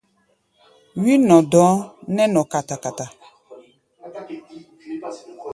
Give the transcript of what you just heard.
Wí-nɔ-dɔ̧ɔ̧ nɛ́ nɔ kata-kata.